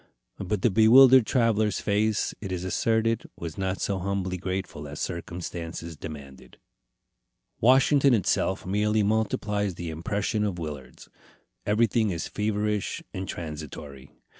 But the bewildered traveller's face, it is asserted, was not so humbly grateful as circumstances demanded. Washington itself merely multiplies the impression of Willard's. Everything is feverish and transitory.